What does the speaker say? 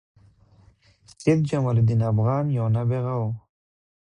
سيدجمال الدين افغان یو نابغه وه